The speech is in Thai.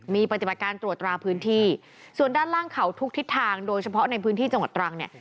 มีปฏิบัติการตรวจตราพื้นที่ส่วนด้านล่างเขาทุกทิศทางโดยเฉพาะในพื้นที่จังหวัดตรังเนี่ย